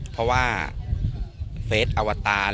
เพราะว่าเฟสอวตาร